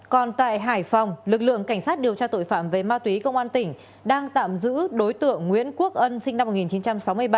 còn tại hải phòng lực lượng cảnh sát điều tra tội phạm về ma túy công an tỉnh đang tạm giữ đối tượng nguyễn quốc ân sinh năm một nghìn chín trăm sáu mươi ba